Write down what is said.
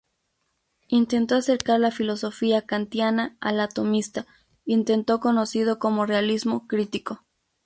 Intentó acercar la filosofía kantiana a la tomista, intento conocido como realismo crítico.